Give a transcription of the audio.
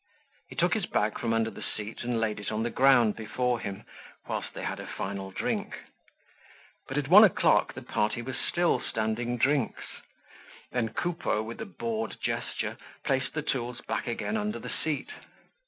He took his bag from under the seat and laid it on the ground before him whilst they had a final drink. But at one o'clock the party was still standing drinks. Then Coupeau, with a bored gesture placed the tools back again under the seat.